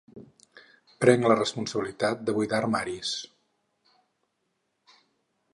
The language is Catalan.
Prenc la responsabilitat de buidar armaris.